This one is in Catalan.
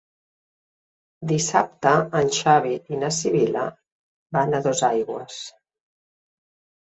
Dissabte en Xavi i na Sibil·la van a Dosaigües.